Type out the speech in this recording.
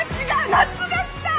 夏が来た！